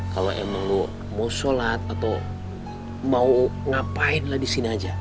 kalau emang mau sholat atau mau ngapain lah di sini aja